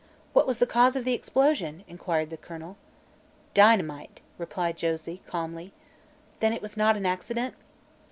"What was the cause of the explosion!" inquired the colonel. "Dynamite," replied Josie calmly. "Then it was not an accident?"